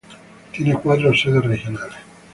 Tiene cuatros sedes regionales.